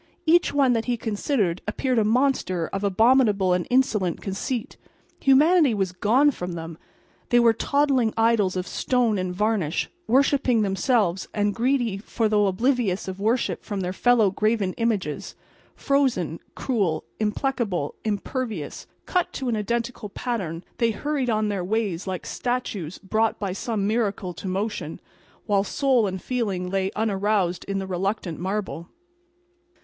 Each one that he considered appeared a monster of abominable and insolent conceit. Humanity was gone from them; they were toddling idols of stone and varnish, worshipping themselves and greedy for though oblivious of worship from their fellow graven images. Frozen, cruel, implacable, impervious, cut to an identical pattern, they hurried on their ways like statues brought by some miracles to motion, while soul and feeling lay unaroused in the reluctant marble.